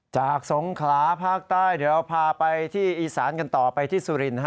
สงขลาภาคใต้เดี๋ยวพาไปที่อีสานกันต่อไปที่สุรินทร์